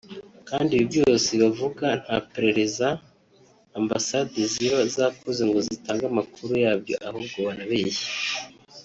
kandi ibi byose bavuga nta perereza Ambassade ziba zakoze ngo zitange amakuru yabyo ahubwo barabeshya